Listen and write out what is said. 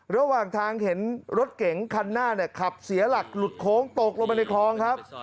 ระหว่างทางเห็นรถเก๋งคันหน้าเนี่ยขับเสียหลักหลุดโค้งตกลงไปในคลองครับ